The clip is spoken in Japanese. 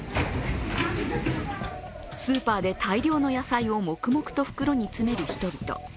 スーパーで大量の野菜を黙々と袋に詰める人々。